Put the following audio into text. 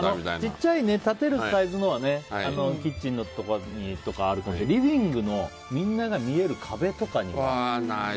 ちっちゃい立てるサイズのはキッチンのとことかにあるかもしれないけどリビングのみんなが見える壁とかには？